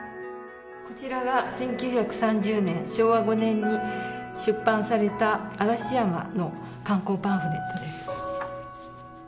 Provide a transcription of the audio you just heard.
こちらが１９３０年・昭和５年に出版された、嵐山の観光パンフレットです。